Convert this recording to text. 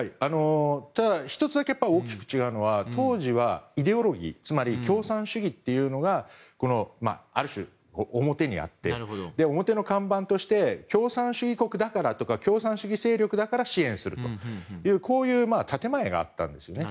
ただ、１つだけ大きく違うのは当時はイデオロギーつまり共産主義というのがある種、表にあって表の看板として共産主義国だからとか共産主義勢力だから支援するという建前があったんですね。